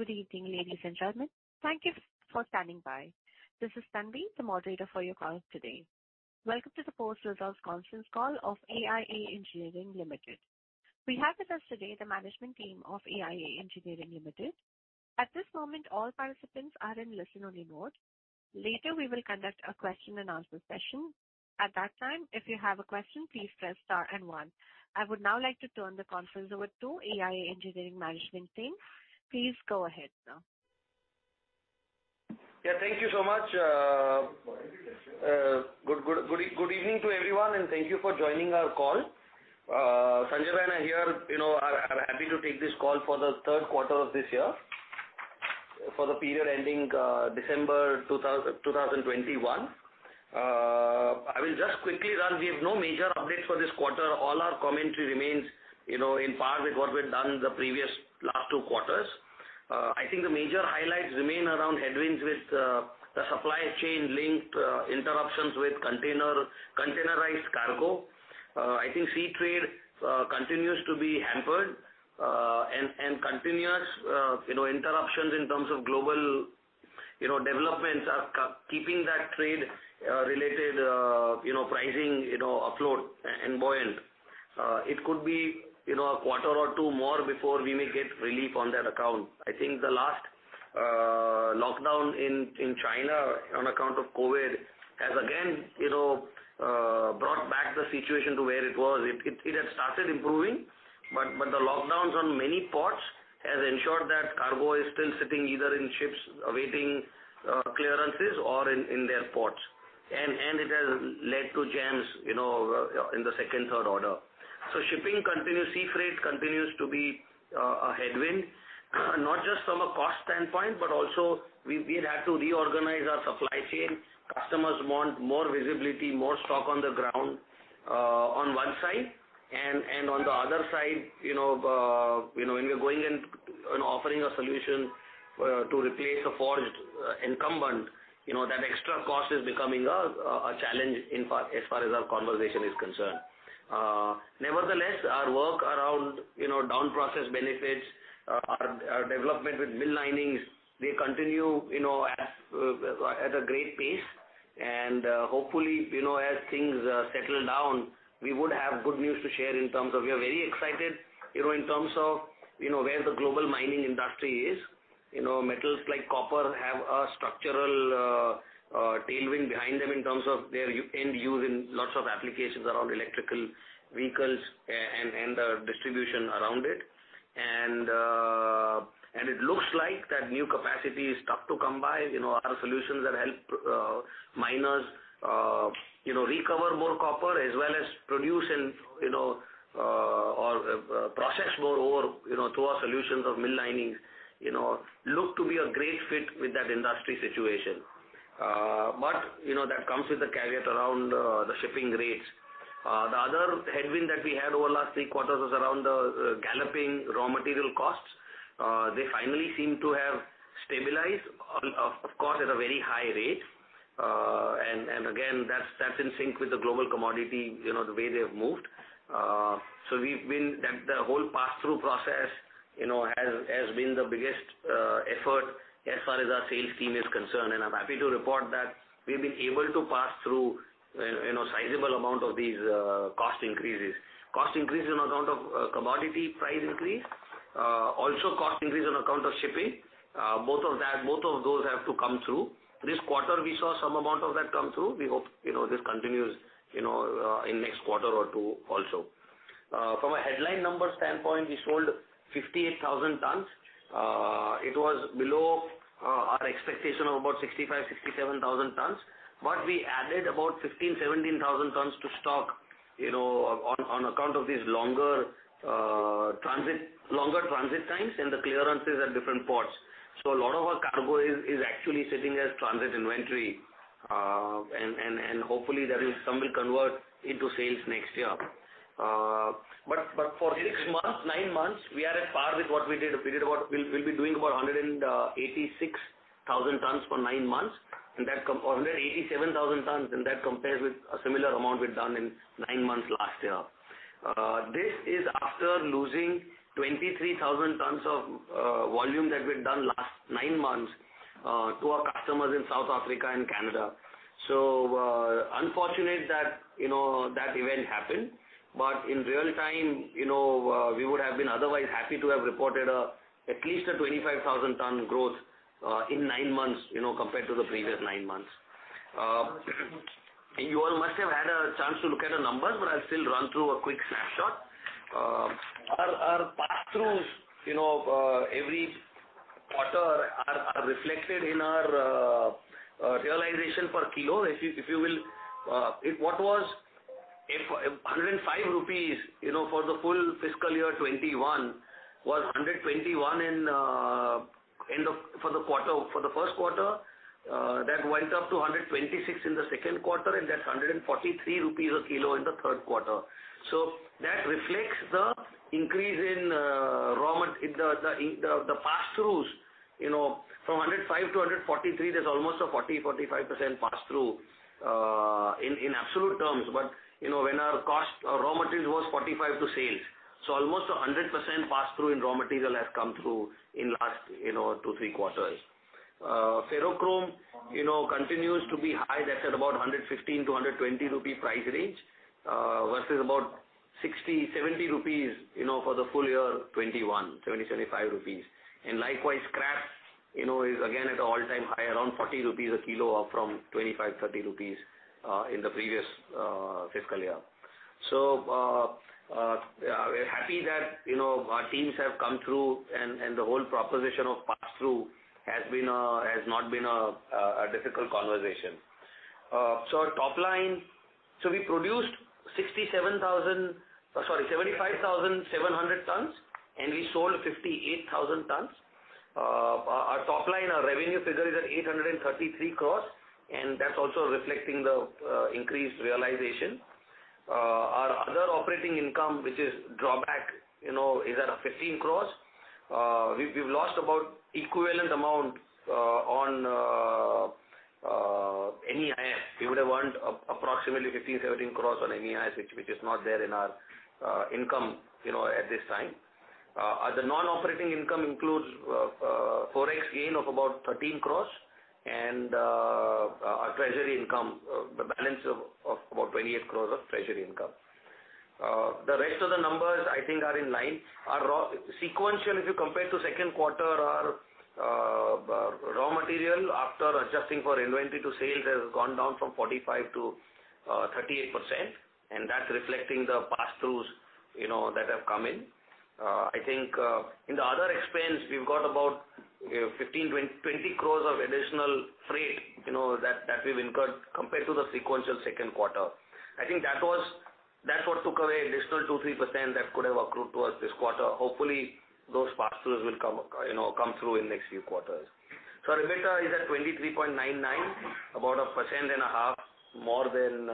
Good evening, ladies and gentlemen. Thank you for standing by. This is Tanvi, the moderator for your call today. Welcome to the post-results conference call of AIA Engineering Limited. We have with us today the management team of AIA Engineering Limited. At this moment, all participants are in listen-only mode. Later, we will conduct a question-and-answer session. At that time, if you have a question, please press star and one. I would now like to turn the conference over to AIA Engineering management team. Please go ahead now. Yeah, thank you so much. Good evening to everyone, and thank you for joining our call. Sanjay and me here, you know, we are happy to take this call for the third quarter of this year for the period ending December 2021. I will just quickly run. We have no major updates for this quarter. All our commentary remains, you know, in line with what we've done the previous two quarters. I think the major highlights remain around headwinds with the supply chain linked interruptions with containerized cargo. I think sea trade continues to be hampered and continuous interruptions in terms of global developments are keeping that trade related pricing afloat and buoyant. It could be, you know, a quarter or two more before we may get relief on that account. I think the last lockdown in China on account of COVID has again, you know, brought back the situation to where it was. It had started improving, but the lockdowns on many ports has ensured that cargo is still sitting either in ships awaiting clearances or in their ports. It has led to jams, you know, in the second, third order. Shipping continues, sea freight continues to be a headwind, not just from a cost standpoint, but also we'd have to reorganize our supply chain. Customers want more visibility, more stock on the ground on one side. On the other side, you know, when we are going in and offering a solution to replace a forged incumbent, you know, that extra cost is becoming a challenge in as far as our conversation is concerned. Nevertheless, our work around downstream process benefits, our development with mill linings, they continue, you know, at a great pace. Hopefully, you know, as things settle down, we would have good news to share in terms of we are very excited, you know, in terms of, you know, where the global mining industry is. You know, metals like copper have a structural tailwind behind them in terms of their end use in lots of applications around electric vehicles and the distribution around it. It looks like that new capacity is tough to come by. You know, our solutions that help miners, you know, recover more copper as well as produce or process more ore, you know, through our solutions of mill linings, you know, look to be a great fit with that industry situation. You know, that comes with a caveat around the shipping rates. The other headwind that we had over last three quarters was around the galloping raw material costs. They finally seem to have stabilized, of course, at a very high rate. Again, that's in sync with the global commodity, you know, the way they have moved. We've been... The whole pass-through process, you know, has been the biggest effort as far as our sales team is concerned, and I'm happy to report that we've been able to pass through, you know, sizable amount of these cost increases. Cost increase on account of commodity price increase, also cost increase on account of shipping. Both of those have to come through. This quarter, we saw some amount of that come through. We hope, you know, this continues, you know, in next quarter or two also. From a headline number standpoint, we sold 58,000 tons. It was below our expectation of about 65,000 tons-67,000 tons, but we added about 15,000 tons-17,000 tons to stock, you know, on account of these longer transit times and the clearances at different ports. A lot of our cargo is actually sitting as transit inventory. Hopefully, that will someday convert into sales next year. For six months, nine months, we are at par with what we did a period of what we'll be doing about 186,000 tons for nine months, or 187,000 tons, and that compares with a similar amount we've done in nine months last year. This is after losing 23,000 tons of volume that we've done last nine months to our customers in South Africa and Canada. Unfortunate that, you know, that event happened. In real time, you know, we would have been otherwise happy to have reported at least a 25,000 ton growth in nine months, you know, compared to the previous nine months. You all must have had a chance to look at the numbers, but I'll still run through a quick snapshot. Our pass-throughs, you know, every quarter are reflected in our realization per kilo. If you will, it was 105 rupees, you know, for the full fiscal year 2021, was 121 in the first quarter. That went up to 126 in the second quarter, and that's 143 rupees a kilo in the third quarter. That reflects the increase in the pass-throughs. You know, from 105-143, there's almost a 45% pass-through in absolute terms. You know, when our cost—our raw materials was 45% of sales. Almost a 100% pass-through in raw material has come through in last two, three quarters. You know, ferrochrome continues to be high. That's at about 115-120 rupee price range versus about 60-70 rupees for the full year 2021, 70-75 rupees. And likewise, scrap is again at an all-time high, around 40 rupees a kilo up from 25-30 rupees in the previous fiscal year. We're happy that, you know, our teams have come through and the whole proposition of pass-through has not been a difficult conversation. Our top line. We produced 75,700 tons, and we sold 58,000 tons. Our top line, our revenue figure is at 833 crores, and that's also reflecting the increased realization. Our other operating income, which is duty drawback, you know, is at 15 crores. We've lost about equivalent amount on MEIS. We would have earned approximately 15-17 crores on MEIS, which is not there in our income, you know, at this time. The non-operating income includes ForEx gain of about 13 crore and our treasury income, the balance of about 28 crores of treasury income. The rest of the numbers I think are in line. Sequential, if you compare to second quarter, our raw material after adjusting for inventory to sales has gone down from 45% to 38%, and that's reflecting the pass-throughs, you know, that have come in. I think in the other expense, we've got about 15 crore-20 crore of additional freight, you know, that we've incurred compared to the sequential second quarter. I think that was. That's what took away an additional 2-3% that could have accrued to us this quarter. Hopefully, those pass-throughs will come, you know, come through in next few quarters. Our EBITDA is at 23.99%, about 1.5% more than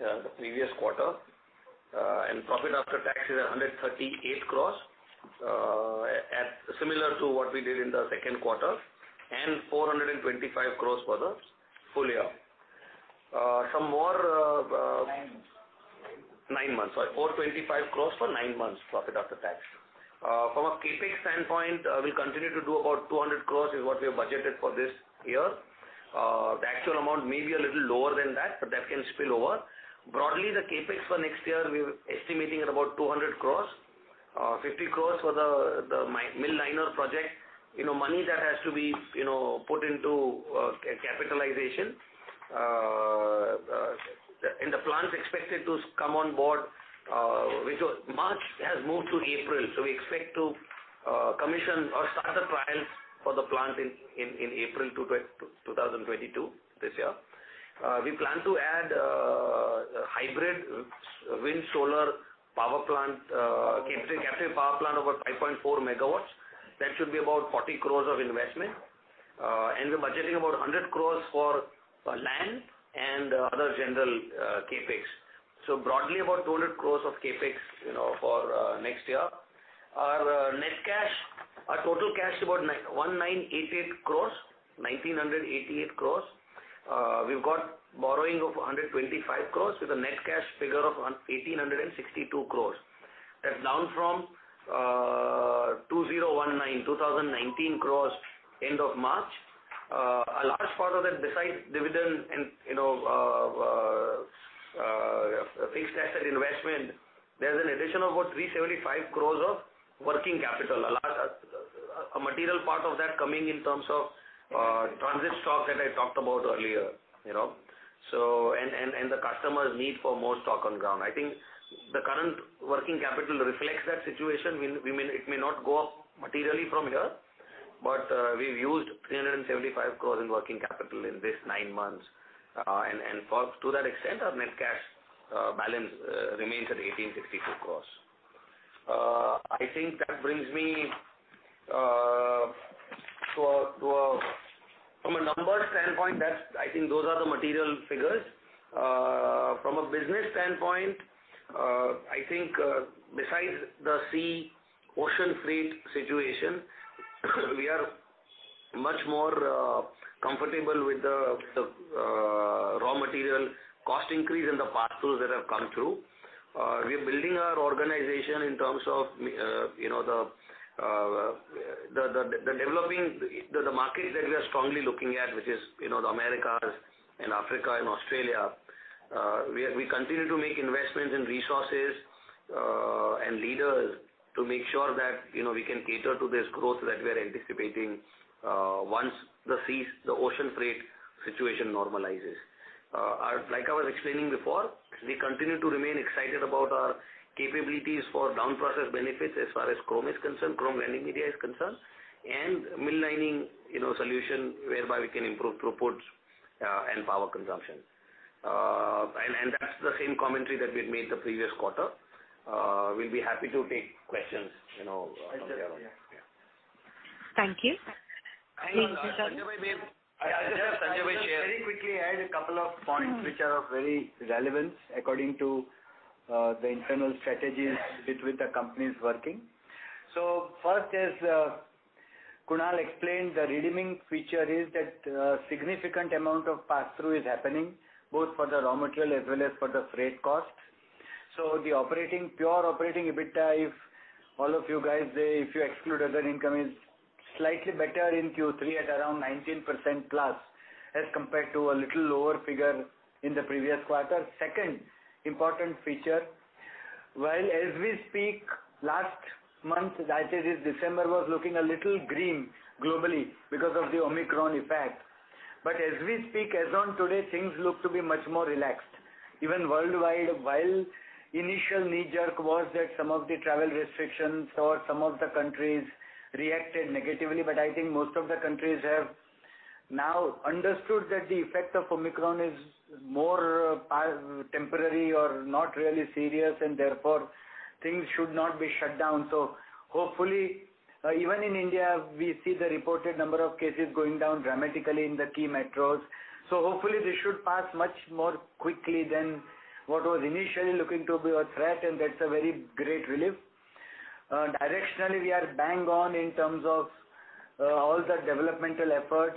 the previous quarter. Profit after tax is 138 crore, similar to what we did in the second quarter, and 425 crore for the full year. Nine months. Nine months, sorry. 425 crores for nine months profit after tax. From a CapEx standpoint, we'll continue to do about 200 crores is what we have budgeted for this year. The actual amount may be a little lower than that, but that can spill over. Broadly, the CapEx for next year, we're estimating at about 200 crores. 50 crores for the mill liner project. You know, money that has to be, you know, put into capitalization. The plant's expected to come on board, which was March, has moved to April. We expect to commission or start the trials for the plant in April 2022, this year. We plan to add a hybrid wind solar power plant, captive power plant over 5.4 MW. That should be about 40 crore of investment. We're budgeting about 100 crore for land and other general CapEx. Broadly, about 200 crore of CapEx, you know, for next year. Our net cash, our total cash is about 1,988 crore. We've got borrowing of 125 crore with a net cash figure of 1,862 crore. That's down from 2,019 crore end of March. A large part of that besides dividend and, you know, fixed asset investment, there's an addition of about 375 crore of working capital. A material part of that coming in terms of transit stock that I talked about earlier, you know. The customers' need for more stock on ground. I think the current working capital reflects that situation. It may not go up materially from here, but we've used 375 crores in working capital in this nine months. To that extent, our net cash balance remains at 1,862 crores. I think that brings me from a numbers standpoint. I think those are the material figures. From a business standpoint, I think, besides the sea ocean freight situation, we are much more comfortable with the raw material cost increase and the pass-throughs that have come through. We're building our organization in terms of, you know, developing the market that we are strongly looking at, which is, you know, the Americas and Africa and Australia. We continue to make investments in resources and leaders to make sure that, you know, we can cater to this growth that we are anticipating once the ocean freight situation normalizes. Like I was explaining before, we continue to remain excited about our capabilities for downstream process benefits as far as chrome grinding media is concerned, and mill liners solution whereby we can improve throughput and power consumption. That's the same commentary that we had made the previous quarter. We'll be happy to take questions, you know, from there on. Thank you. Very quickly add a couple of points which are of very relevance according to the internal strategies with which the company is working. First, Kunal explained, the redeeming feature is that a significant amount of pass-through is happening both for the raw material as well as for the freight costs. The operating, pure operating EBITDA, if all of you guys, if you exclude other income, is slightly better in Q3 at around 19%+ as compared to a little lower figure in the previous quarter. Second important feature, while as we speak last month, that is, December, was looking a little green globally because of the Omicron effect. As we speak, as on today, things look to be much more relaxed. Even worldwide, while initial knee-jerk was that some of the travel restrictions or some of the countries reacted negatively, but I think most of the countries have now understood that the effect of Omicron is more temporary or not really serious, and therefore things should not be shut down. Hopefully, even in India, we see the reported number of cases going down dramatically in the key metros. Hopefully this should pass much more quickly than what was initially looking to be a threat, and that's a very great relief. Directionally, we are bang on in terms of all the developmental efforts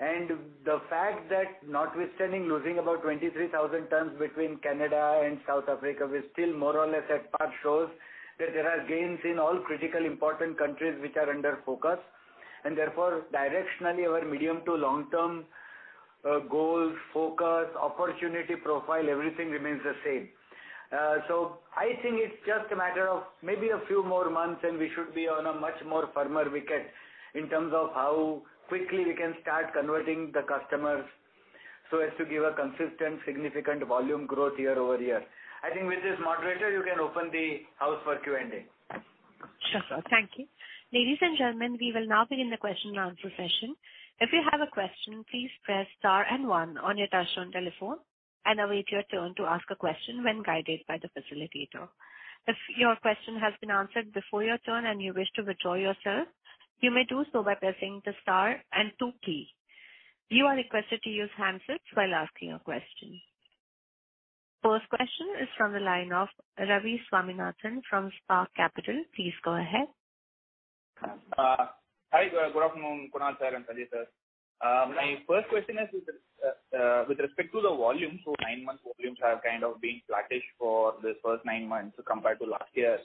and the fact that notwithstanding losing about 23,000 tons between Canada and South Africa, we're still more or less at par shows that there are gains in all critical important countries which are under focus. Therefore, directionally, our medium to long-term goals, focus, opportunity profile, everything remains the same. I think it's just a matter of maybe a few more months, and we should be on a much more firmer wicket in terms of how quickly we can start converting the customers so as to give a consistent, significant volume growth year over year. I think with this moderator, you can open the house for Q&A. Sure, sir. Thank you. Ladies and gentlemen, we will now begin the question and answer session. If you have a question, please press star and one on your touchtone telephone and await your turn to ask a question when guided by the facilitator. If your question has been answered before your turn and you wish to withdraw yourself, you may do so by pressing the star and two key. You are requested to use handsets while asking your question. First question is from the line of Ravi Swaminathan from Spark Capital. Please go ahead. Hi. Good afternoon, Kunal sir and Sanjay sir. My first question is with respect to the volume. Nine months volumes have kind of been flattish for this first nine months compared to last year.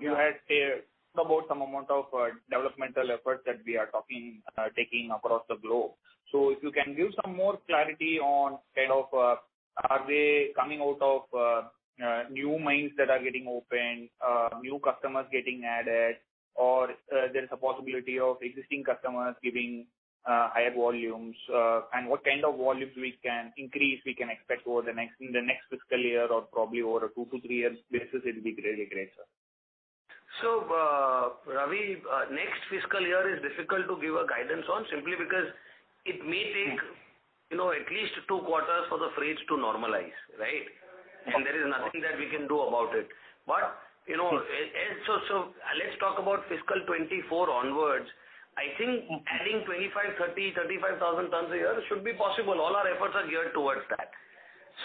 You had said about some amount of developmental efforts that we are taking across the globe. If you can give some more clarity on kind of are they coming out of new mines that are getting open, new customers getting added, or there is a possibility of existing customers giving higher volumes? What kind of volumes we can expect over the next, in the next fiscal year or probably over a two to three years basis, it'll be really great, sir. Ravi, next fiscal year is difficult to give a guidance on simply because it may take, you know, at least two quarters for the freights to normalize, right? There is nothing that we can do about it. You know, let's talk about fiscal 2024 onwards. I think adding 25,000, 30,000, 35,000 tons a year should be possible. All our efforts are geared towards that.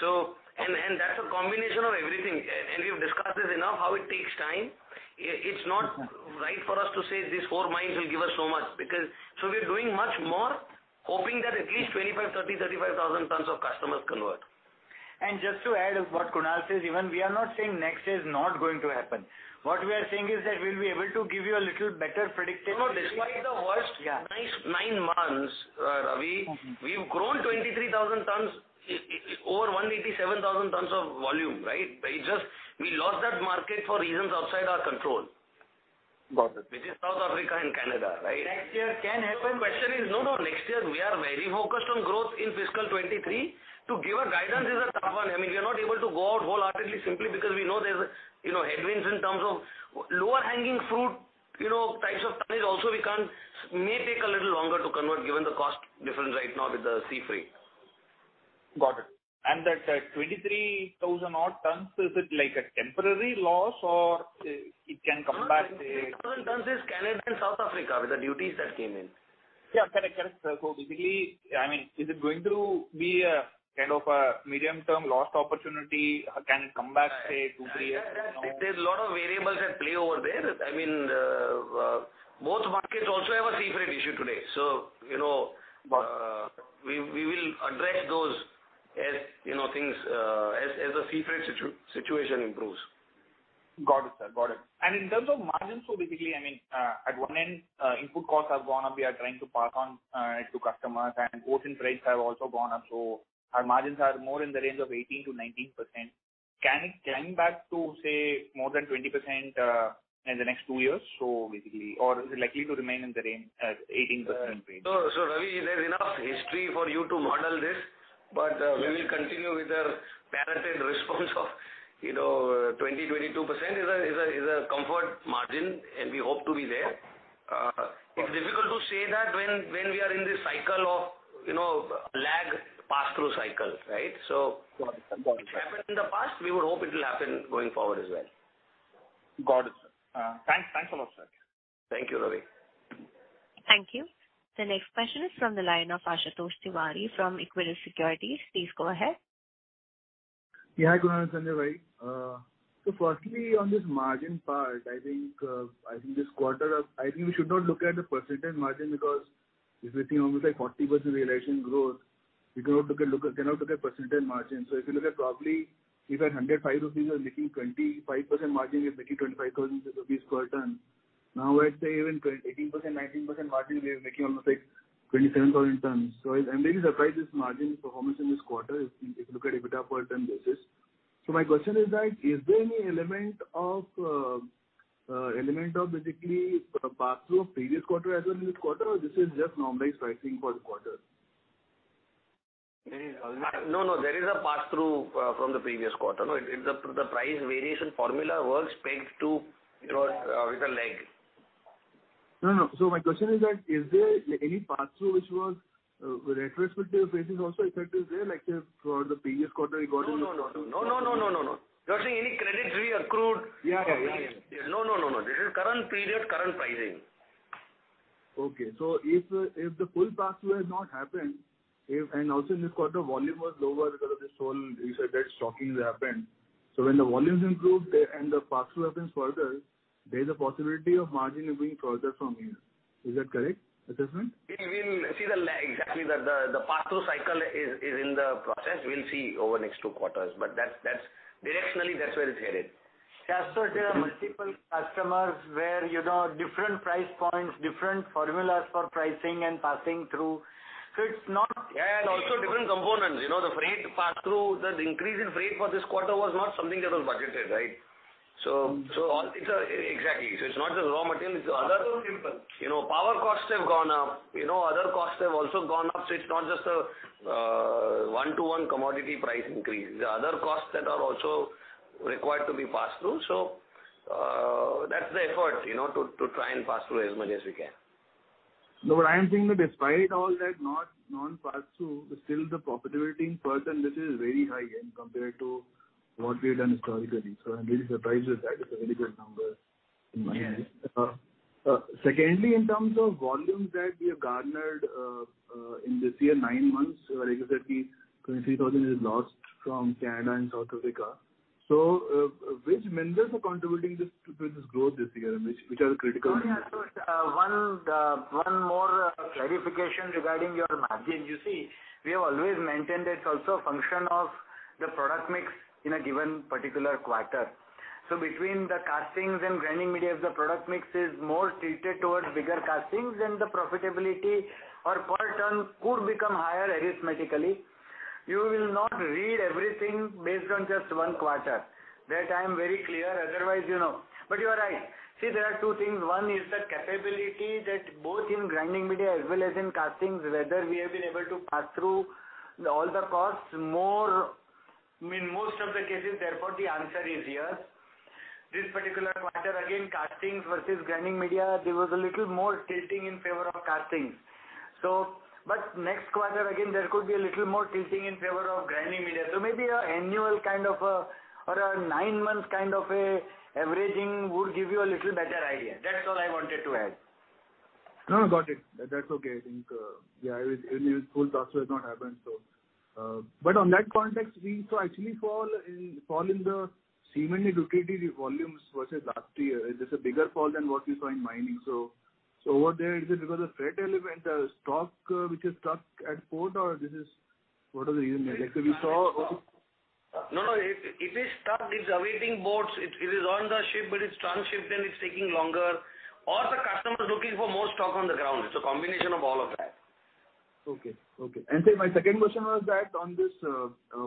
That's a combination of everything. We've discussed this enough, how it takes time. It's not right for us to say these four mines will give us so much because we're doing much more hoping that at least 25,000, 30,000, 35,000 tons of customers convert. Just to add what Kunal says, even we are not saying next year is not going to happen. What we are saying is that we'll be able to give you a little better prediction. No, despite the worst nine months, Ravi, we've grown 23,000 tons, over 187,000 tons of volume, right? It's just we lost that market for reasons outside our control. Got it. Which is South Africa and Canada, right? Next year can happen. Next year we are very focused on growth in FY 2023. To give a guidance is a tough one. I mean, we are not able to go out wholeheartedly simply because we know there's, you know, headwinds in terms of lower hanging fruit, you know, types of tonnage also may take a little longer to convert given the cost difference right now with the sea freight. Got it. That 23,000-odd tons, is it like a temporary loss or it can come back, say? No, no. 23,000 tons is Canada and South Africa with the duties that came in. Yeah. Correct, sir. Basically, I mean, is it going to be a kind of a medium-term lost opportunity? Can it come back, say, two, three years from now? There's a lot of variables at play over there. I mean, both markets also have a sea freight issue today. You know, we will address those as you know things as the sea freight situation improves. Got it, sir. Got it. In terms of margins, basically, I mean, at one end, input costs have gone up. We are trying to pass on to customers, and ocean freights have also gone up, so our margins are more in the range of 18%-19%. Can it climb back to, say, more than 20%, in the next two years? Basically, or is it likely to remain in the range of 18% range? Ravi, there's enough history for you to model this, but we will continue with the parented response of, you know, 22% is a comfort margin, and we hope to be there. It's difficult to say that when we are in this cycle of, you know. Through cycle, right? Got it. It happened in the past, we would hope it will happen going forward as well. Got it. Thanks a lot, sir. Thank you, Ravi. Thank you. The next question is from the line of Ashutosh Tiwari from Equirus Securities. Please go ahead. Yeah, hi, good morning, Sanjay bhai. Firstly, on this margin part, I think this quarter, I think we should not look at the percentage margin because if we see almost like 40% realization growth, we cannot look at percentage margin. If you look at probably if at 105 rupees you are making 25% margin, you're making 25,000 rupees per ton. Now, I'd say even 20, 18%, 19% margin, we are making almost like 27,000 tons. I'm really surprised this margin performance in this quarter if you look at EBITDA per ton basis. My question is that, is there any element of basically pass through of previous quarter as well this quarter or this is just normalized pricing for the quarter? No, there is a pass-through from the previous quarter. No, it, the price variation formula works pegged to, you know, with a lag. No, no. My question is that, is there any pass-through which was retrospective basis also effect is there, like say for the previous quarter, you got it in this quarter? No, no. You're saying any credits we accrued. Yeah. No, no, no. This is current period, current pricing. Okay. If the full pass-through has not happened, and also this quarter volume was lower because of the slowdown you said that stocking happened. When the volumes improve and the pass-through happens further, there's a possibility of margin improving further from here. Is that correct assessment? We'll see exactly. The pass-through cycle is in the process. We'll see over next two quarters. That's directionally where it's headed. There are multiple customers where, you know, different price points, different formulas for pricing and passing through. It's not... Yeah, also different components. You know, the freight pass-through, the increase in freight for this quarter was not something that was budgeted, right? Exactly. So it's not just raw material, it's other... Also input. You know, power costs have gone up. You know, other costs have also gone up. It's not just a one-to-one commodity price increase. There are other costs that are also required to be passed through. That's the effort, you know, to try and pass through as much as we can. No, but I am saying that despite all that non-pass-through, still the profitability in percent, this is very high compared to what we have done historically. I'm really surprised with that. It's a really good number in my view. Yeah. Secondly, in terms of volumes that we have garnered in this year nine months, like you said, 23,000 tons lost from Canada and South Africa. Which miners are contributing this to this growth this year and which are the critical miners? Oh, yeah. One more clarification regarding your margin. You see, we have always maintained it's also a function of the product mix in a given particular quarter. Between the castings and grinding media, if the product mix is more tilted towards bigger castings then the profitability or per ton could become higher arithmetically. You will not read everything based on just one quarter. That I am very clear, otherwise, you know. You are right. See, there are two things. One is the capability that both in grinding media as well as in castings, whether we have been able to pass through all the costs, I mean, most of the cases, therefore, the answer is yes. This particular quarter, again, castings versus grinding media, there was a little more tilting in favor of castings. Next quarter, again, there could be a little more tilting in favor of grinding media. Maybe a annual kind of a or a nine-month kind of a averaging would give you a little better idea. That's all I wanted to add. No, got it. That's okay. I think, yeah, it full pass-through has not happened. In that context, we saw actually fall in the cement and utility volumes versus last year. Is this a bigger fall than what we saw in mining? Over there, is it because of freight element, stock which is stuck at port or is this? What are the reasons there? Like we saw... No, no. It is stuck, it's awaiting boats. It is on the ship, but it's transshipped and it's taking longer or the customer is looking for more stock on the ground. It's a combination of all of that. Okay. Sir, my second question was that on this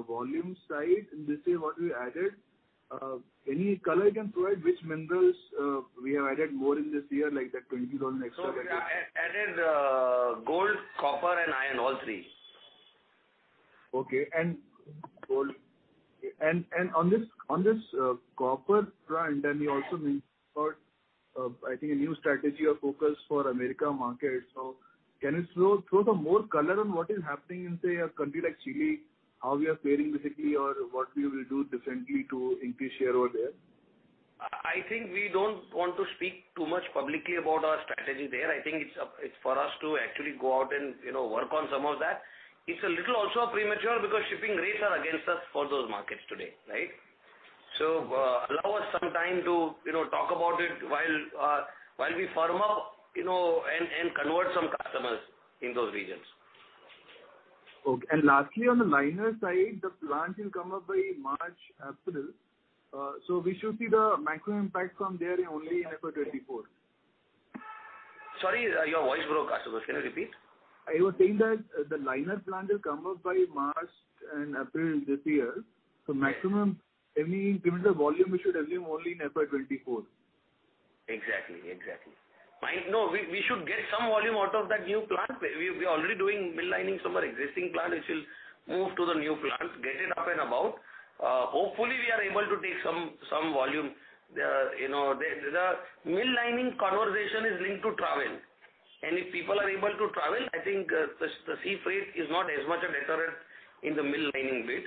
volume side, in this say what we added, any color you can provide which miners we have added more in this year, like that 20,000 extra that you... Yeah. Added gold, copper and iron, all three. Okay. Gold. On this copper front, you also mentioned about, I think, a new strategy or focus for American market. Can you throw some more color on what is happening in, say, a country like Chile, how we are faring basically or what we will do differently to increase share over there? I think we don't want to speak too much publicly about our strategy there. I think it's up to us to actually go out and, you know, work on some of that. It's also a little premature because shipping rates are against us for those markets today, right? Allow us some time to, you know, talk about it while we firm up, you know, and convert some customers in those regions. Okay. Lastly, on the liner side, the plant will come up by March, April. We should see the maximum impact from there in only FY 2024. Sorry, your voice broke, Ashutosh. Can you repeat? I was saying that the liner plant will come up by March and April this year. Maximum any given the volume we should assume only in FY 2024. Exactly. We should get some volume out of that new plant. We're already doing mill liners from our existing plant, which will move to the new plant. Up and about. Hopefully we are able to take some volume. You know, the mill liners conversation is linked to travel. If people are able to travel, I think the sea freight is not as much a deterrent in the mill liners bit.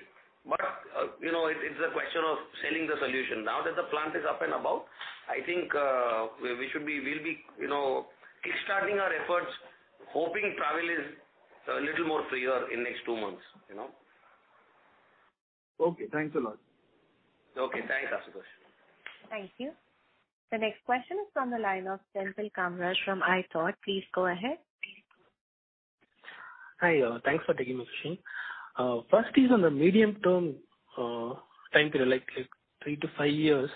You know, it's a question of selling the solution. Now that the plant is up and about, I think we'll be, you know, kick-starting our efforts, hoping travel is a little more freer in next two months, you know. Okay, thanks a lot. Okay, thanks, Ashutosh. Thank you. The next question is from the line of Senthil Kamaraj from ithought. Please go ahead. Hi. Thanks for taking the question. First is on the medium term time period, like three to five years,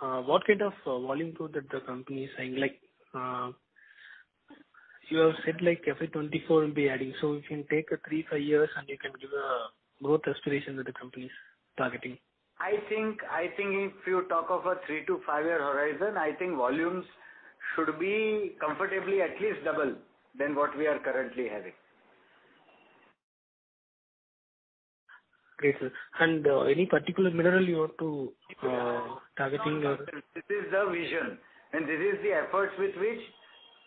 what kind of volume growth that the company is saying, like you have said like FY 2024 will be adding. If you take three, five years and you can give a growth aspiration that the company's targeting. I think if you talk of a three to five-year horizon, I think volumes should be comfortably at least double than what we are currently having. Great. Any particular mineral you want to targeting or... This is the vision, and this is the efforts with which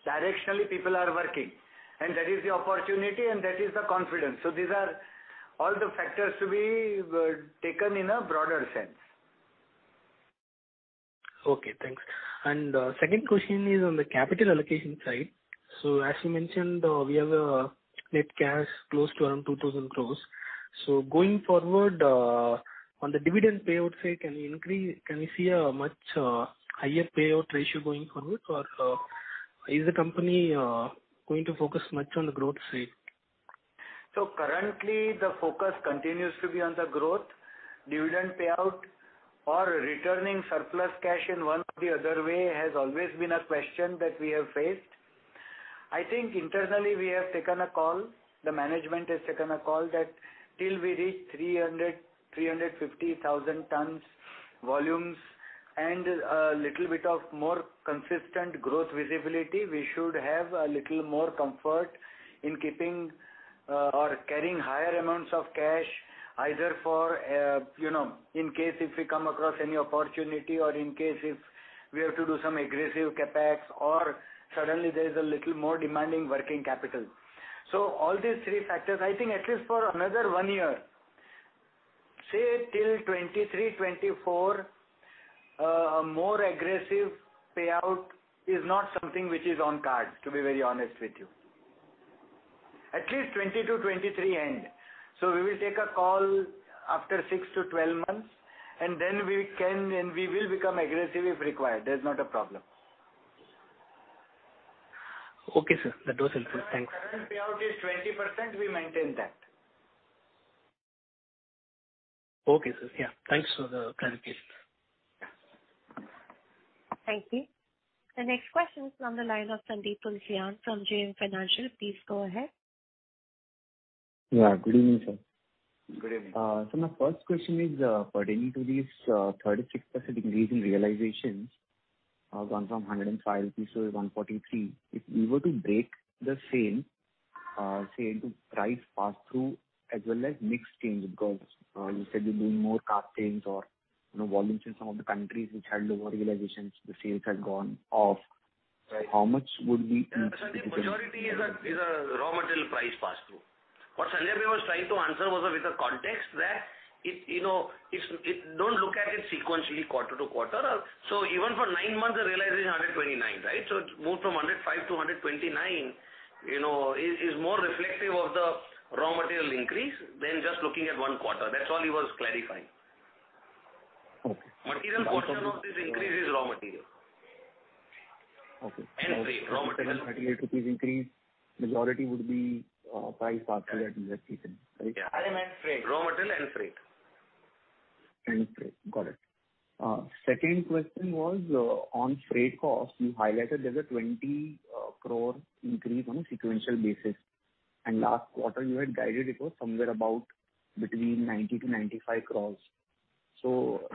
directionally people are working. That is the opportunity and that is the confidence. These are all the factors to be taken in a broader sense. Okay, thanks. Second question is on the capital allocation side. As you mentioned, we have net cash close to around 2,000 crore. Going forward, on the dividend payout side, can you see a much higher payout ratio going forward? Is the company going to focus much on the growth side? Currently, the focus continues to be on the growth. Dividend payout or returning surplus cash in one or the other way has always been a question that we have faced. I think internally we have taken a call, the management has taken a call that till we reach 300,000-350,000 tons, volumes and a little bit of more consistent growth visibility, we should have a little more comfort in keeping or carrying higher amounts of cash either for you know, in case if we come across any opportunity or in case if we have to do some aggressive CapEx or suddenly there is a little more demanding working capital. All these three factors, I think at least for another one year, say till 2023-2024, more aggressive payout is not something which is on cards, to be very honest with you. At least 2020-2023 end. We will take a call after six to 12 months, and then we can and we will become aggressive if required. There's not a problem. Okay, sir. That was helpful. Thanks. Current payout is 20%, we maintain that. Okay, sir. Yeah, thanks for the clarification. Thank you. The next question is from the line of Sandeep Tulsian from JM Financial. Please go ahead. Yeah, good evening, sir. Good evening. My first question is pertaining to this 36% increase in realizations, gone from 105 rupees to 143. If we were to break the same, say into price pass-through as well as mix change, because you said you're doing more cast sales or, you know, volumes in some of the countries which had lower realizations, the sales had gone off. Right. How much would be- Sandeep, majority is a raw material price pass through. What Sanjay was trying to answer was with the context that you know, don't look at it sequentially quarter to quarter. So even for nine months, the realization is 129, right? So it's moved from 105 to 129, you know, is more reflective of the raw material increase than just looking at one quarter. That's all he was clarifying. Okay. Material portion of this increase is raw material. Okay. Freight, raw material. INR 38 increase, majority would be price pass through that you have taken, right? Yeah. I meant freight. Raw material and freight. Freight. Got it. Second question was on freight costs. You highlighted there's a 20 crore increase on a sequential basis. Last quarter you had guided it was somewhere about between 90-95 crore.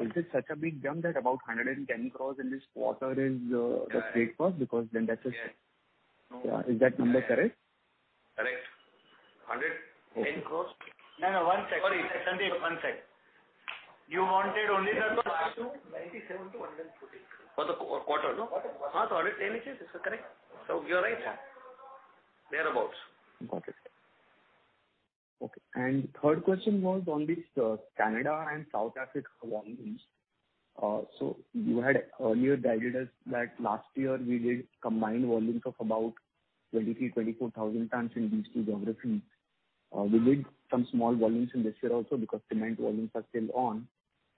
Is it such a big jump that about 110 crore in this quarter is the freight cost because then that's a... Yes. Is that number correct? Correct. 110 crores. No, no. One sec. Sorry, Sandeep, one sec. You wanted only the last two? 97-114 crores. For the quarter, no? Quarter. 110 is correct thereabout. You're right, sir. Got it. Okay. Third question was on these Canada and South Africa volumes. You had earlier guided us that last year we did combined volumes of about 23,000-24,000 tons in these two geographies. We did some small volumes in this year also because cement volumes are still on.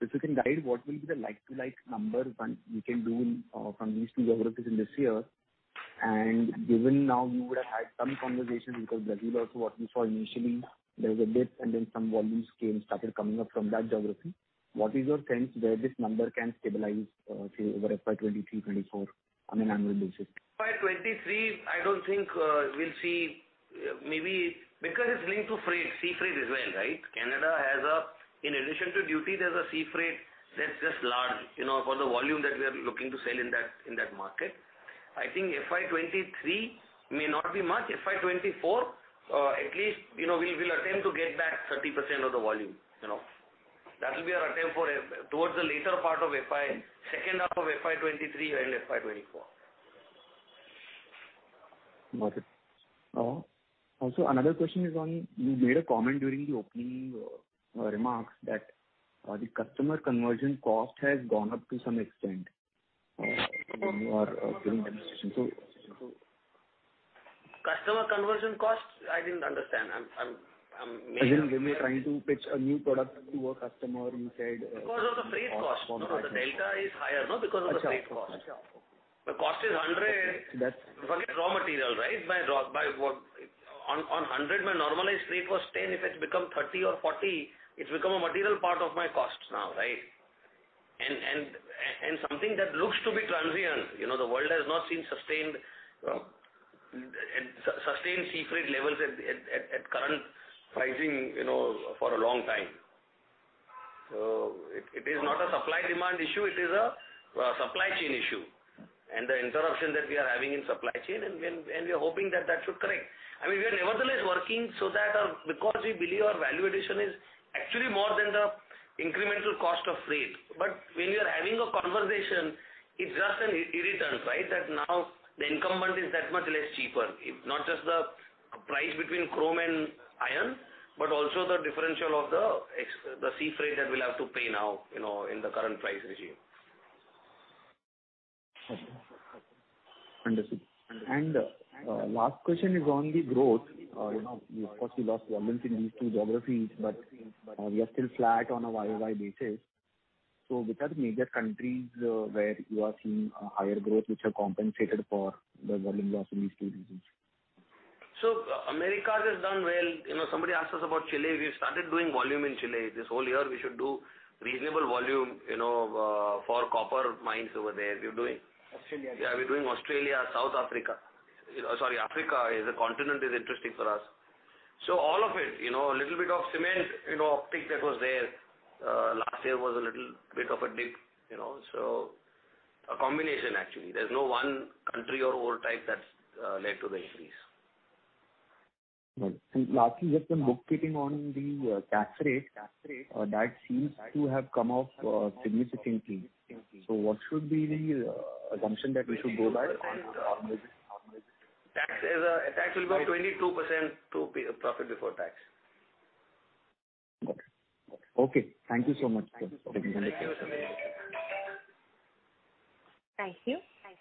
If you can guide what will be the like-to-like number we can do from these two geographies in this year. Given now you would have had some conversations because Brazil also what we saw initially, there was a dip and then some volumes came, started coming up from that geography. What is your sense where this number can stabilize, say over FY 2023-2024 on an annual basis? FY 2023, I don't think we'll see, maybe because it's linked to freight, sea freight as well, right? Canada has... In addition to duty, there's a sea freight that's just large, you know, for the volume that we are looking to sell in that market. I think FY 2023 may not be much. FY 2024, at least, you know, we'll attempt to get back 30% of the volume, you know. That will be our attempt for towards the later part of FY 2023, second half of FY 2023 and FY 2024. Got it. Also, another question is on, you made a comment during the opening remarks that the customer conversion cost has gone up to some extent during the recession. Customer conversion cost? I didn't understand. I'm maybe... As in when we are trying to pitch a new product to a customer, you said, Because of the freight cost. No, no. The delta is higher, no? Because of the freight cost. Okay. The cost is 100. Forget raw material, right? On 100 my normalized freight was 10. If it's become 30 or 40, it's become a material part of my costs now, right? Something that looks to be transient. You know, the world has not seen sustained sea freight levels at current pricing, you know, for a long time. So it is not a supply-demand issue, it is a supply chain issue. The interruption that we are having in supply chain, and we are hoping that that should correct. I mean, we are nevertheless working, because we believe our value addition is actually more than the incremental cost of freight. When you are having a conversation, it's just an irritant, right? That now the incumbent is that much less cheaper. Not just the price between chrome and iron, but also the differential of the sea freight that we'll have to pay now, you know, in the current price regime. Understood. Last question is on the growth. You know, you obviously lost volumes in these two geographies, but we are still flat on a YoY basis. Which are the major countries where you are seeing higher growth which have compensated for the volume loss in these two regions? Americas has done well. You know, somebody asked us about Chile. We've started doing volume in Chile. This whole year we should do reasonable volume, you know, for copper mines over there. We're doing... Australia. Yeah, we're doing Australia, South Africa. Sorry, Africa as a continent is interesting for us. All of it, you know, a little bit of cement, you know, output that was there last year was a little bit of a dip, you know. A combination actually. There's no one country or ore type that's led to the increase. Right. Lastly, just on bookkeeping on the tax rate that seems to have come off significantly. What should be the assumption that we should go by? Tax will be 22% to profit before tax. Got it. Okay. Thank you so much. Thank you. Thank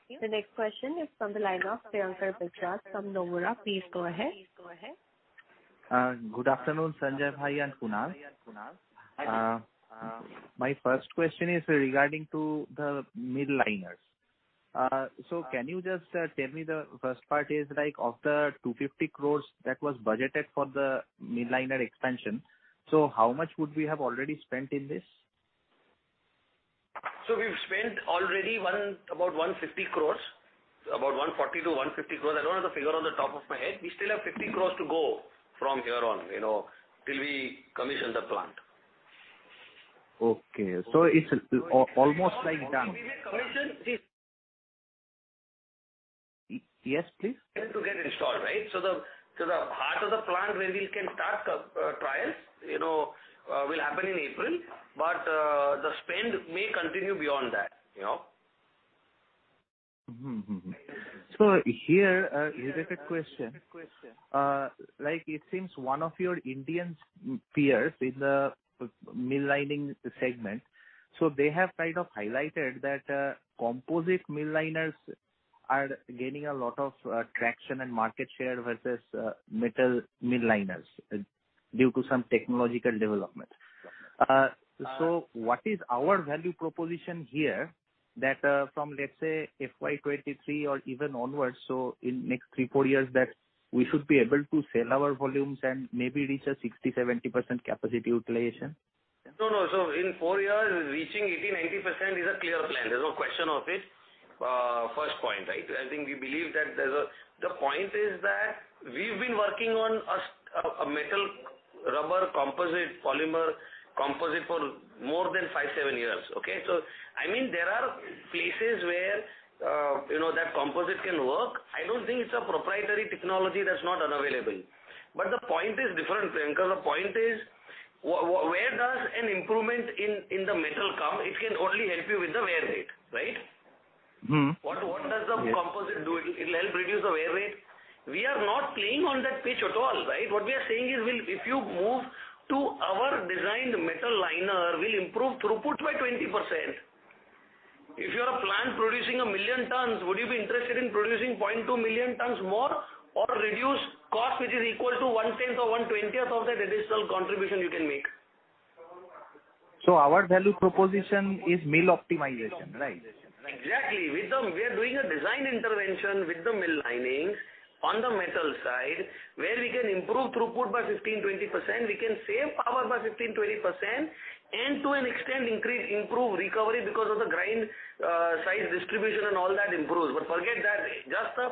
you. The next question is from the line of Priyankar Biswas from Nomura. Please go ahead. Good afternoon, Sanjay bhai and Kunal. Hi. My first question is regarding to the mill liners. Can you just tell me the first part is like of the 250 crore that was budgeted for the mill liners expansion, how much would we have already spent in this? We've spent already one, about 150 crore. About 140-150 crore. I don't have the figure off the top of my head. We still have 50 crore to go from here on, you know, till we commission the plant. Okay. It's almost like done. Commission this... Yes, please. ...to get installed, right? The heart of the plant where we can start trials, you know, will happen in April. The spend may continue beyond that, you know. Here, related question. Like it seems one of your Indian peers in the mill liners segment. They have kind of highlighted that composite mill liners are gaining a lot of traction and market share versus metal mill liners due to some technological development. What is our value proposition here that from, let's say FY 2023 or even onwards, in next three, four years that we should be able to sell our volumes and maybe reach a 60%-70% capacity utilization? No, no. In four years, reaching 80%-90% is a clear plan. There's no question of it. First point, right? I think we believe that there's a point. The point is that we've been working on a metal rubber composite, polymer composite for more than five, seven years, okay? I mean, there are places where, you know, that composite can work. I don't think it's a proprietary technology that's not unavailable. The point is different, Priyankar. The point is, where does an improvement in the metal come? It can only help you with the wear rate, right? Mm-hmm. What does the composite do? It'll help reduce the wear rate. We are not playing on that pitch at all, right? What we are saying is we'll if you move to our designed metal liner, we'll improve throughput by 20%. If you're a plant producing 1 million tons, would you be interested in producing 0.2 million tons more or reduce cost which is equal to one tenth or one twentieth of the additional contribution you can make? Our value proposition is mill optimization, right? Exactly. We are doing a design intervention with the mill linings on the metal side, where we can improve throughput by 15%-20%, we can save power by 15%-20% and to increase, improve recovery because of the grind size distribution and all that improves. Forget that, just the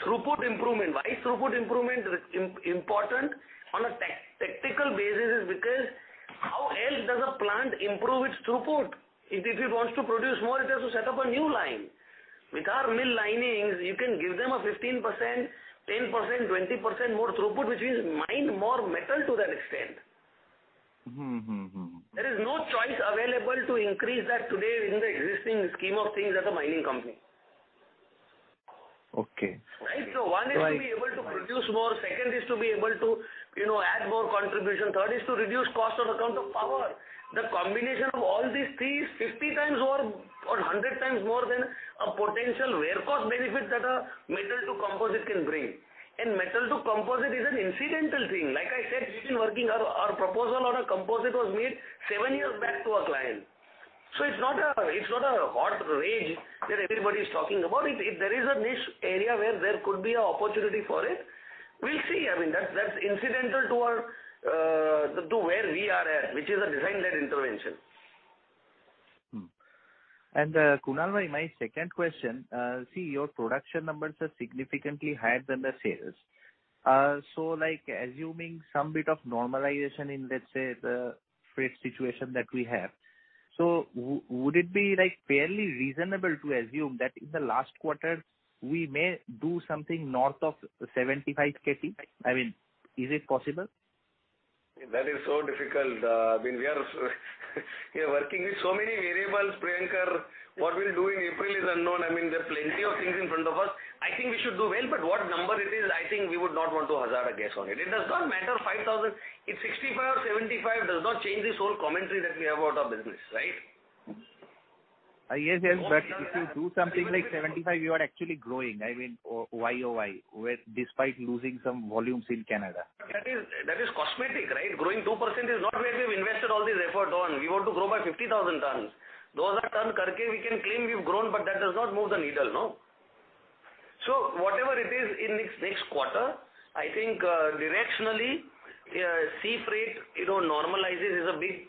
throughput improvement. Why throughput improvement is important on a technical basis is because how else does a plant improve its throughput? If it wants to produce more, it has to set up a new line. With our mill linings, you can give them a 15%, 10%, 20% more throughput, which means mine more metal to that extent. Mm-hmm. There is no choice available to increase that today in the existing scheme of things at the mining company. Okay. Right? One is to be able to produce more, second is to be able to, you know, add more contribution, third is to reduce cost on account of power. The combination of all these three is 50 times more or 100 times more than a potential wear cost benefit that a metal to composite can bring. Metal to composite is an incidental thing. Like I said, we've been working. Our proposal on a composite was made seven years back to our client. It's not a hot rage that everybody's talking about it. If there is a niche area where there could be an opportunity for it, we'll see. I mean, that's incidental to our, to where we are at, which is a design-led intervention. Kunal bhai, my second question. See, your production numbers are significantly higher than the sales. Like assuming some bit of normalization in, let's say, the freight situation that we have. Would it be, like, fairly reasonable to assume that in the last quarter we may do something north of 75, INR 80? I mean, is it possible? That is so difficult. I mean, we are working with so many variables, Priyankar INR, or what we'll do in April is unknown. I mean, there are plenty of things in front of us. I think we should do well, but what number it is, I think we would not want to hazard a guess on it. It does not matter 5,000. If 65 or 75, does not change this whole commentary that we have about our business, right? Yes, yes. If you do something like 75%, you are actually growing. I mean, YoY despite losing some volumes in Canada. That is cosmetic, right? Growing 2% is not where we've invested all this effort on. We want to grow by 50,000 tons. Those are tonnage we can claim we've grown, but that does not move the needle, no. Whatever it is in next quarter, I think directionally sea freight you know normalizes is a big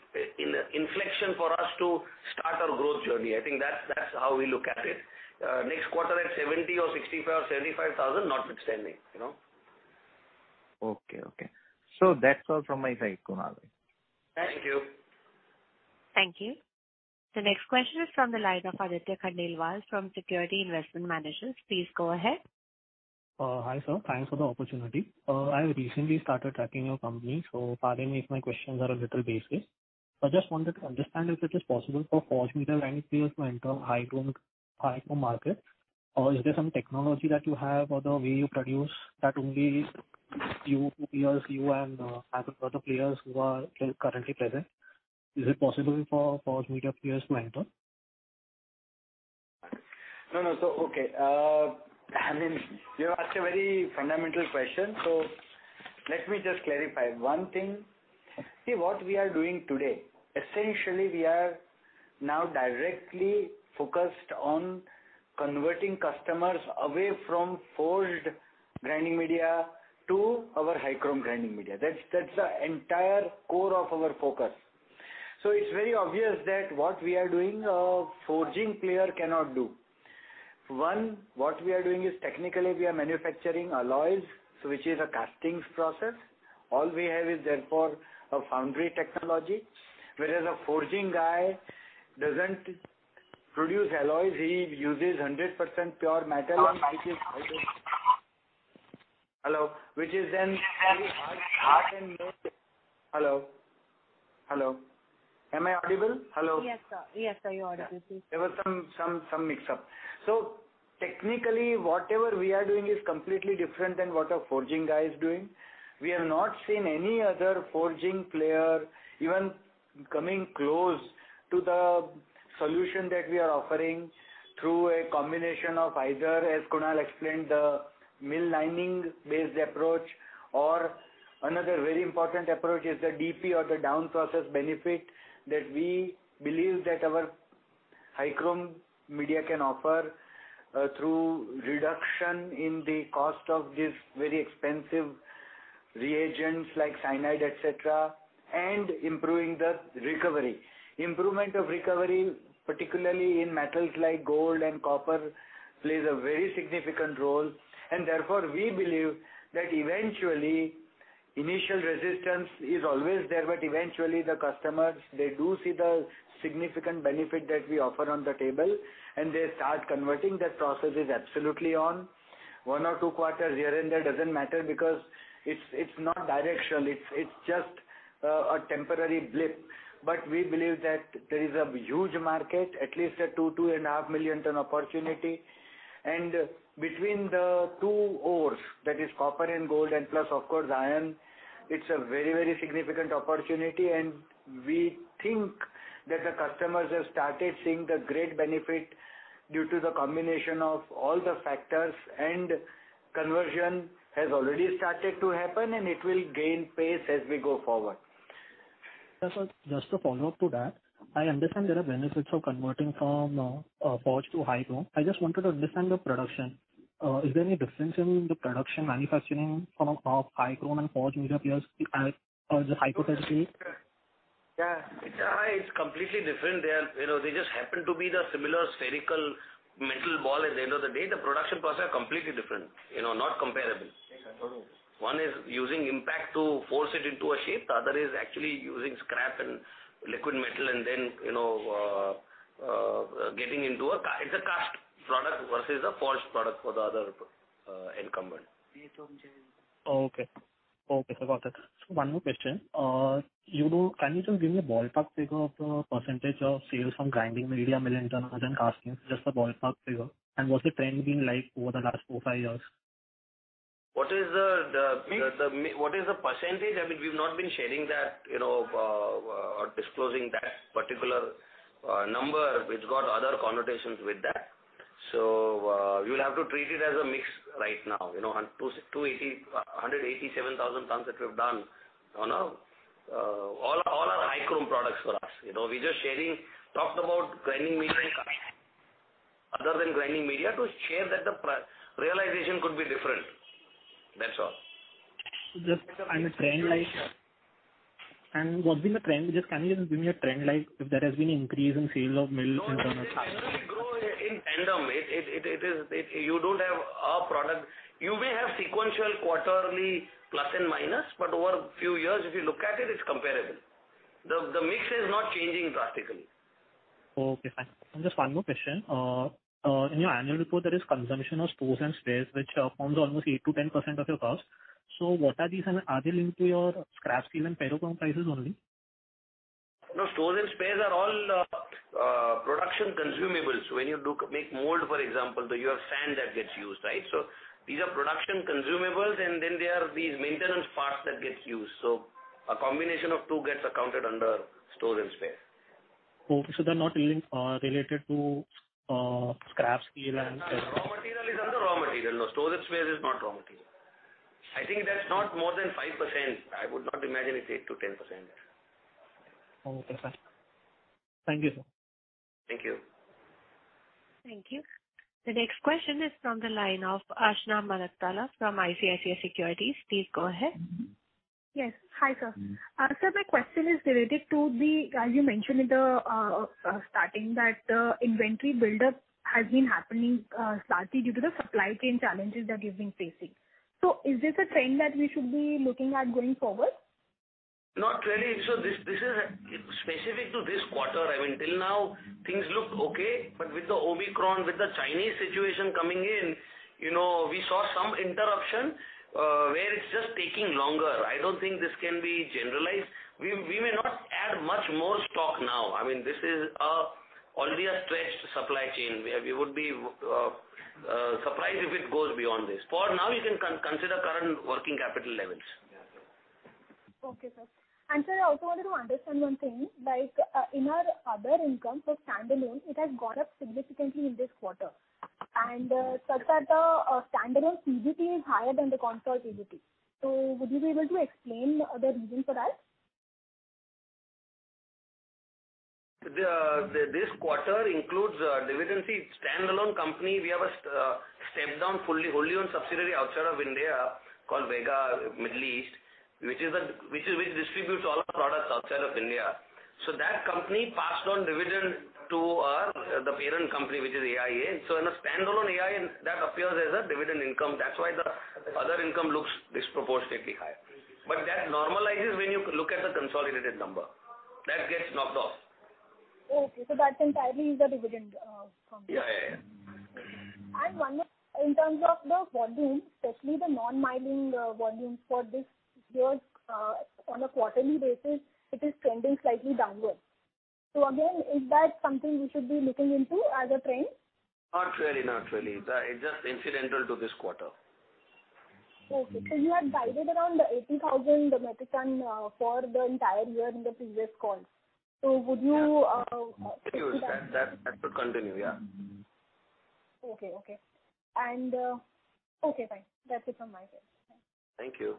inflection for us to start our growth journey. I think that's how we look at it. Next quarter at 70,000 or 65,000 or 75,000 notwithstanding, you know. Okay. That's all from my side, Kunal bhai. Thank you. Thank you. The next question is from the line of Aditya Khandelwal from Securities Investment Management. Please go ahead. Hi sir. Thanks for the opportunity. I recently started tracking your company, so pardon me if my questions are a little basic. I just wanted to understand if it is possible for forged media manufacturers to enter high chrome market, or is there some technology that you have or the way you produce that only you and other players who are currently present. Is it possible for forged media players to enter? No, no. Okay. I mean, you asked a very fundamental question. Let me just clarify one thing. See, what we are doing today, essentially, we are now directly focused on converting customers away from forged grinding media to our high chrome grinding media. That's the entire core of our focus. It's very obvious that what we are doing, a forging player cannot do. One, what we are doing is technically we are manufacturing alloys, so which is a castings process. All we have is therefore a foundry technology, whereas a forging guy doesn't produce alloys. He uses 100% pure metal, which is then hardened. Yes, sir. Yes, sir, you're audible. Please. There was some mix up. Technically, whatever we are doing is completely different than what a forging guy is doing. We have not seen any other forging player even coming close to the solution that we are offering through a combination of either, as Kunal explained, the mill liners based approach or another very important approach is the DP or the downstream process benefits that we believe that our high chrome media can offer, through reduction in the cost of these very expensive reagents like cyanide, et cetera, and improving the recovery. Improvement of recovery, particularly in metals like gold and copper, plays a very significant role. Therefore, we believe that eventually initial resistance is always there, but eventually the customers, they do see the significant benefit that we offer on the table, and they start converting. That process is absolutely on. One or two quarters here and there doesn't matter because it's not directional. It's just a temporary blip. We believe that there is a huge market, at least a 2 million-2.5 million ton opportunity. Between the two ores, that is copper and gold and plus of course iron, it's a very, very significant opportunity. We think that the customers have started seeing the great benefit due to the combination of all the factors and conversion has already started to happen and it will gain pace as we go forward. Yes, sir. Just to follow up to that. I understand there are benefits of converting from forged to high chrome. I just wanted to understand the production. Is there any difference in the production manufacturing from a high chrome and forged media peers, just hypothetically? Yeah. It's completely different. They are, you know, they just happen to be the similar spherical metal ball. At the end of the day, the production process is completely different, you know, not comparable. One is using impact to force it into a shape. The other is actually using scrap and liquid metal and then, you know, it's a cast product versus a forged product for the other incumbent. Okay. Okay, got it. One more question. Can you just give me a ballpark figure of the percentage of sales from grinding media, mill internals and castings, just a ballpark figure. And what's the trend been like over the last four, five years? What is the percentage? I mean, we've not been sharing that, you know, or disclosing that particular number. It's got other connotations with that. You'll have to treat it as a mix right now. You know, 280, 187,000 tons that we've done on a all are high chrome products for us. You know, we're just sharing, talked about grinding media other than grinding media to share that the price realization could be different. That's all. What's been the trend? Just can you just give me a trend like if there has been increase in sales of mill internals or castings? No, they normally grow in tandem. It is, you don't have a problem. You may have sequential quarterly plus and minus, but over a few years, if you look at it's comparable. The mix is not changing drastically. Okay, fine. Just one more question. In your annual report, there is consumption of stores and spares, which forms almost 8%-10% of your costs. What are these and are they linked to your scrap steel and ferrochrome prices only? No. Stores and spares are all production consumables. When you do make mold, for example, you have sand that gets used, right? These are production consumables, and then there are these maintenance parts that gets used. A combination of two gets accounted under stores and spares. Okay. They're not linked or related to scrap steel and- No. Raw material is under raw material. No, stores and spares is not raw material. I think that's not more than 5%. I would not imagine it's 8%-10%. Okay, fine. Thank you, sir. Thank you. Thank you. The next question is from the line of Aashna Manaktala from ICICI Securities. Please go ahead. Yes. Hi, sir. Sir, my question is related to the, as you mentioned in the starting that inventory buildup has been happening, largely due to the supply chain challenges that you've been facing. Is this a trend that we should be looking at going forward? Not really. This is specific to this quarter. I mean, till now things looked okay, but with the Omicron, with the Chinese situation coming in, you know, we saw some interruption, where it's just taking longer. I don't think this can be generalized. We may not add much more stock now. I mean, this is already a stretched supply chain. We would be surprised if it goes beyond this. For now, you can consider current working capital levels. Okay, sir. Sir, I also wanted to understand one thing, like, in our other income for standalone, it has gone up significantly in this quarter. Sir, the standalone PBT is higher than the consolidated PBT. Would you be able to explain the reason for that? This quarter includes dividend received in standalone company. We have a step-down wholly-owned subsidiary outside of India called Vega Middle East, which distributes all our products outside of India. That company passed on dividend to the parent company, which is AIA. In a standalone AIA, that appears as a dividend income. That's why the other income looks disproportionately high. That normalizes when you look at the consolidated number. That gets knocked off. Oh, okay. That entirely is a dividend company. Yeah, yeah. One more, in terms of the volume, especially the non-mining, volumes for this year, on a quarterly basis, it is trending slightly downward. Again, is that something we should be looking into as a trend? Not really. It's just incidental to this quarter. Okay. You had guided around the 80,000 metric ton for the entire year in the previous call. Would you Yes. That should continue. Yeah. Okay. Okay, fine. That's it from my side. Thanks. Thank you.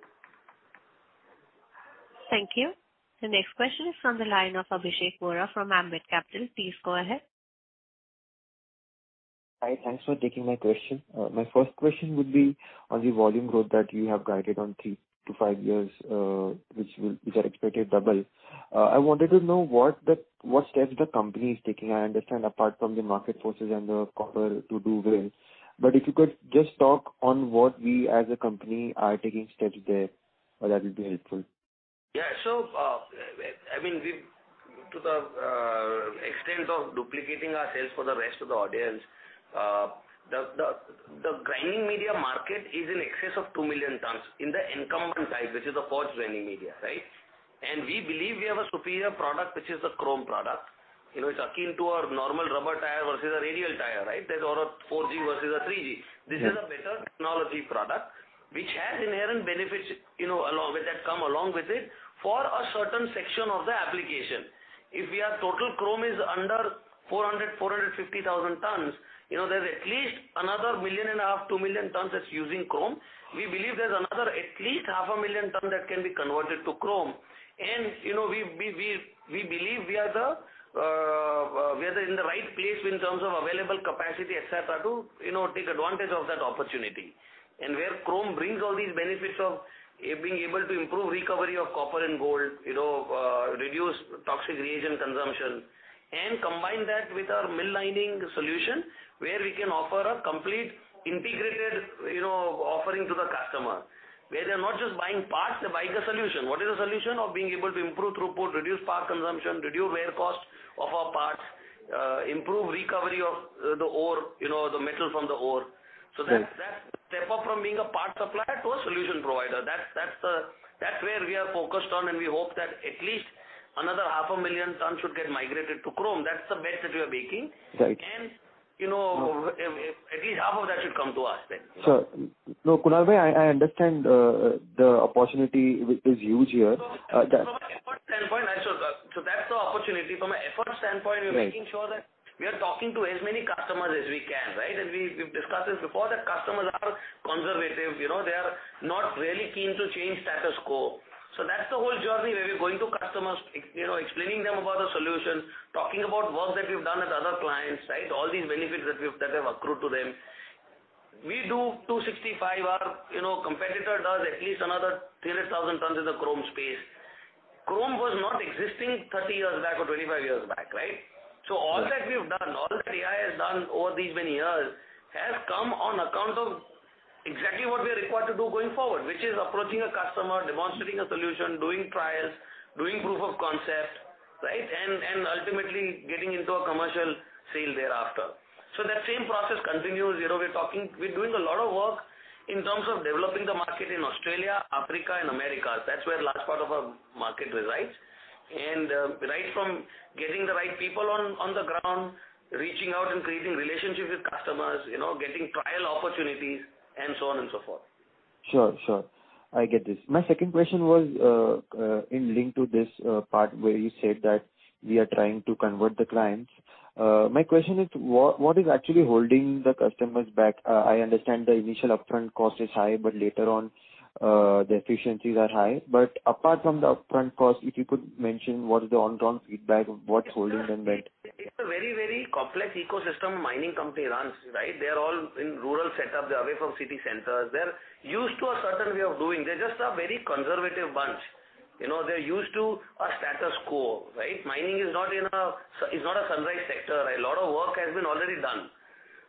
Thank you. The next question is from the line of Abhishek Vora from Ambit Capital. Please go ahead. Hi. Thanks for taking my question. My first question would be on the volume growth that you have guided on three to five years, which are expected to double. I wanted to know what steps the company is taking. I understand apart from the market forces and the company to do well. If you could just talk on what we as a company are taking steps there, that would be helpful. Yeah. I mean, we've to the extent of duplicating ourselves for the rest of the audience, the grinding media market is in excess of 2 million tons in the incumbent type, which is the forged grinding media, right? We believe we have a superior product, which is the chrome product. You know, it's akin to a normal rubber tire versus a radial tire, right? Or a 4G versus a 3G. Mm-hmm. This is a better technology product which has inherent benefits, you know, along with that, come along with it for a certain section of the application. If we have total chrome is under 400-450,000 tons, you know, there's at least another 1.5 million-2 million tons that's using chrome. We believe there's another at least 500,000 tons that can be converted to chrome. You know, we believe we are in the right place in terms of available capacity, et cetera, to, you know, take advantage of that opportunity. Where chrome brings all these benefits of being able to improve recovery of copper and gold, you know, reduce toxic reagent consumption and combine that with our mill liners solution, where we can offer a complete integrated, you know, offering to the customer. Where they're not just buying parts, they're buying a solution. What is the solution? Of being able to improve throughput, reduce power consumption, reduce wear costs of our parts, improve recovery of the ore, you know, the metal from the ore. Yes. That step up from being a part supplier to a solution provider, that's where we are focused on, and we hope that at least another 500,000 tons should get migrated to chrome. That's the bet that we are making. Right. You know, at least half of that should come to us then. Sir. No, Kunal bhai, I understand the opportunity is huge here. From an effort standpoint, actually. That's the opportunity. Right. We're making sure that we are talking to as many customers as we can, right? We've discussed this before, that customers are conservative, you know, they are not really keen to change status quo. That's the whole journey, where we're going to customers, you know, explaining them about the solution, talking about work that we've done with other clients, right? All these benefits that have accrued to them. We do 265,000, our, you know, competitor does at least another 300,000 tons in the chrome space. Chrome was not existing 30 years back or 25 years back, right? Right. All that we've done, all that AIA has done over these many years, has come on account of exactly what we are required to do going forward, which is approaching a customer, demonstrating a solution, doing trials, doing proof of concept, right, ultimately getting into a commercial sale thereafter. That same process continues. You know, we're doing a lot of work in terms of developing the market in Australia, Africa and Americas. That's where last part of our market resides. Right from getting the right people on the ground, reaching out and creating relationships with customers, you know, getting trial opportunities and so on and so forth. Sure. I get this. My second question was, in line with this, part where you said that we are trying to convert the clients. My question is: what is actually holding the customers back? I understand the initial upfront cost is high, but later on, the efficiencies are high. But apart from the upfront cost, if you could mention what is the on-ground feedback, what's holding them back? It's a very, very complex ecosystem a mining company runs, right? They are all in rural setup. They're away from city centers. They're used to a certain way of doing. They're just a very conservative bunch. You know, they're used to a status quo, right? Mining is not a sunrise sector. A lot of work has been already done.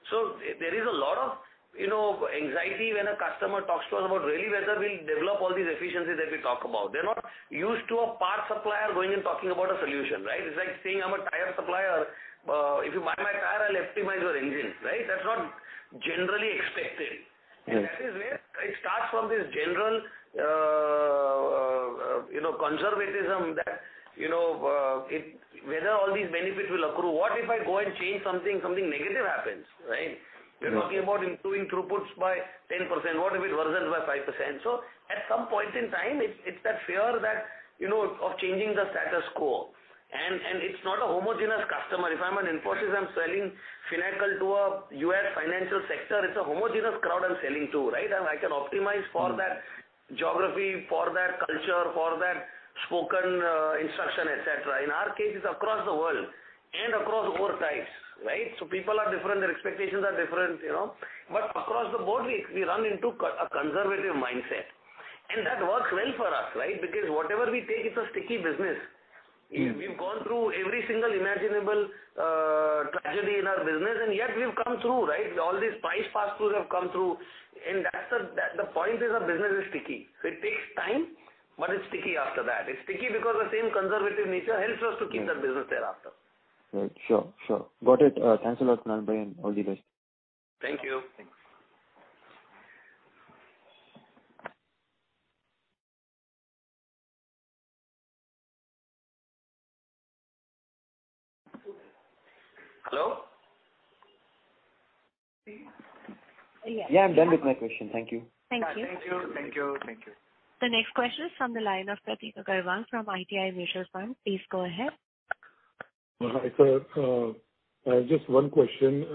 So there is a lot of, you know, anxiety when a customer talks to us about really whether we'll develop all these efficiencies that we talk about. They're not used to a parts supplier going and talking about a solution, right? It's like saying I'm a tire supplier. If you buy my tire, I'll optimize your engine, right? That's not generally expected. Mm-hmm. that is where it starts from this general, you know, conservatism that, you know, whether all these benefits will accrue. What if I go and change something negative happens, right? Mm-hmm. You're talking about improving throughputs by 10%. What if it worsens by 5%? At some point in time, it's that fear that you know of changing the status quo. It's not a homogeneous customer. If I'm an Infosys, I'm selling financial to a U.S. financial sector, it's a homogeneous crowd I'm selling to, right? I can optimize for that geography, for that culture, for that spoken instruction, et cetera. In our case, it's across the world and across ore types, right? People are different, their expectations are different, you know. Across the board, we run into a conservative mindset, and that works well for us, right? Because whatever we take, it's a sticky business. Mm-hmm. We've gone through every single imaginable tragedy in our business, and yet we've come through, right? All these price pass-throughs have come through. That's the point is our business is sticky. It takes time, but it's sticky after that. It's sticky because the same conservative nature helps us to keep that business thereafter. Right. Sure, sure. Got it. Thanks a lot, Kunal bhai, and all the best. Thank you. Thanks. Hello? Yeah, I'm done with my question. Thank you. Thank you. Thank you. The next question is from the line of Pratibh Agarwal from ITI Mutual Fund. Please go ahead. Hi, sir. I have just one question,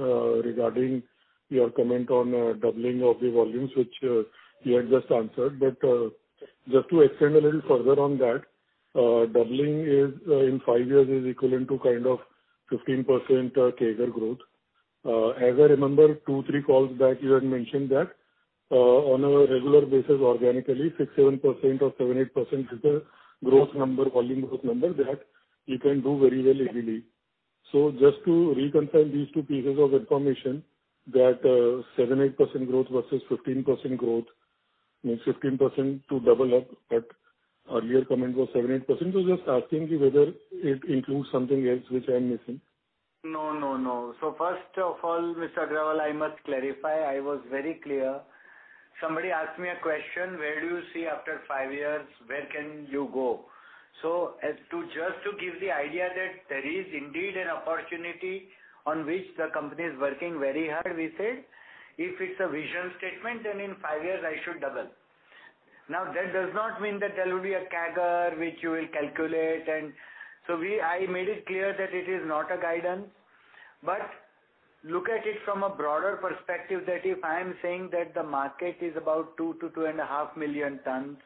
regarding your comment on doubling of the volumes, which you had just answered. Just to extend a little further on that, doubling in five years is equivalent to kind of 15% CAGR growth. As I remember, 2 or 3 calls back, you had mentioned that, on a regular basis organically, 6%-7% or 7%-8% is the growth number, volume growth number that you can do very well easily. Just to reconfirm these two pieces of information, that 7%-8% growth versus 15% growth, means 15% to double up, but earlier comment was 7%-8%. Just asking you whether it includes something else which I'm missing. No, no. First of all, Mr. Agarwal, I must clarify, I was very clear. Somebody asked me a question: Where do you see after five years? Where can you go? As to just give the idea that there is indeed an opportunity on which the company is working very hard, we said, if it's a vision statement, then in five years I should double. Now, that does not mean that there will be a CAGR which you will calculate. I made it clear that it is not a guidance, but Look at it from a broader perspective that if I am saying that the market is about 2 millions-2.5 million tons,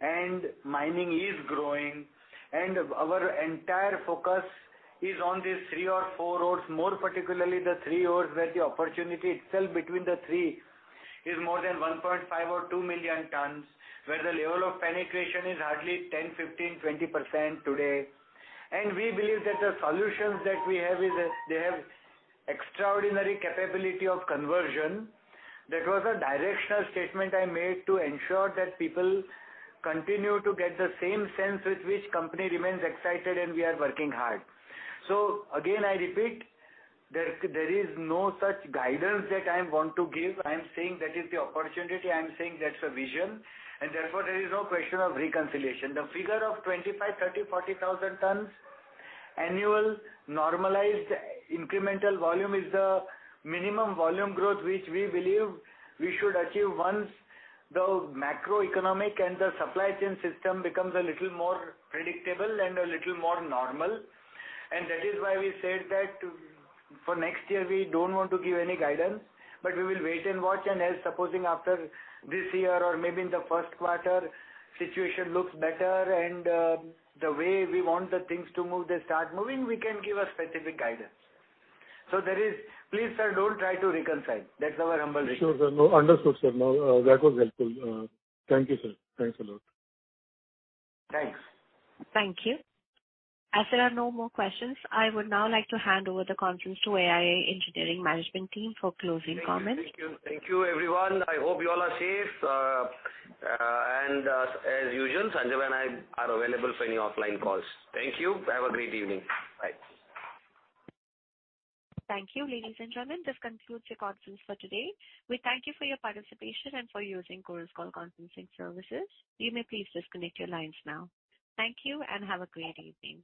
and mining is growing, and our entire focus is on these three or four ores, more particularly the three ores, where the opportunity itself between the three is more than 1.5 million or 2 million tons, where the level of penetration is hardly 10%, 15%, 20% today. We believe that the solutions that we have is that they have extraordinary capability of conversion. That was a directional statement I made to ensure that people continue to get the same sense with which the company remains excited and we are working hard. Again, I repeat, there is no such guidance that I want to give. I am saying that is the opportunity. I am saying that's a vision. Therefore, there is no question of reconciliation. The figure of 25,000, 30,000, 40,000 tons annual normalized incremental volume is the minimum volume growth, which we believe we should achieve once the macroeconomic and the supply chain system becomes a little more predictable and a little more normal. That is why we said that for next year, we don't want to give any guidance, but we will wait and watch. As supposing after this year or maybe in the first quarter, situation looks better and the way we want the things to move, they start moving, we can give a specific guidance. There is. Please, sir, don't try to reconcile. That's our humble request. Sure, sir. No. Understood, sir. No, that was helpful. Thank you, sir. Thanks a lot. Thanks. Thank you. As there are no more questions, I would now like to hand over the conference to AIA Engineering management team for closing comments. Thank you. Thank you, everyone. I hope you all are safe. As usual, Sanjay and I are available for any offline calls. Thank you. Have a great evening. Bye. Thank you, ladies and gentlemen. This concludes your conference for today. We thank you for your participation and for using Chorus Call Conferencing Services. You may please disconnect your lines now. Thank you, and have a great evening.